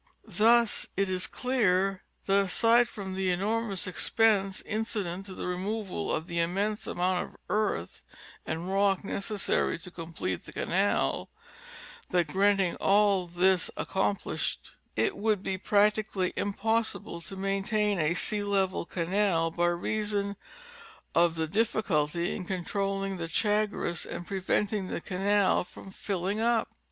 Thus it is clear that aside from the enormous expense incident to the removal of the immense amount of earth and rock necessary to complete the canal, that granting all this ac complished, it would be practically impossible to maintain a sea level canal by reason of the difficulty in controlling the Chagres and preventing the canal fi'om filling up.